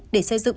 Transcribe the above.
để xây dựng